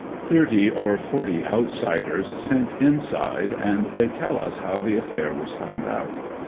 Thirty or forty outsiders sent inside, and they tell us how the affair was found out.